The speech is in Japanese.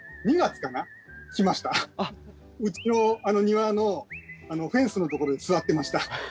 うちの庭のフェンスのところに座ってました。